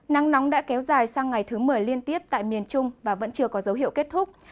nắng nóng đã kéo dài sang ngày thứ một mươi liên tiếp tại miền trung và vẫn chưa có dấu hiệu kết thúc